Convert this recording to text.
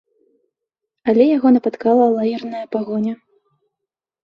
Але яго напаткала лагерная пагоня.